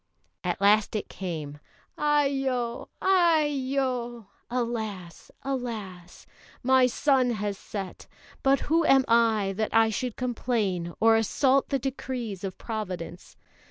At last it came. "Aiyo! Aiyo!" (Alas! Alas!) "My sun has set; but who am I, that I should complain or assault the decrees of Providence?